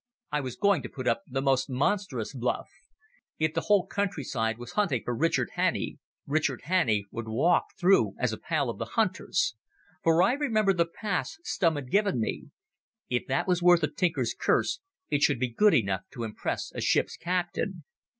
I was going to put up the most monstrous bluff. If the whole countryside was hunting for Richard Hannay, Richard Hannay would walk through as a pal of the hunters. For I remembered the pass Stumm had given me. If that was worth a tinker's curse it should be good enough to impress a ship's captain.